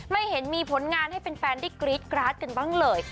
ไม่เห็นมีพ้นงานให้เป็นแฟนที่กรีดกร้าดกันบ้างเล่ย